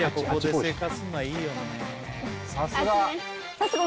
さすが！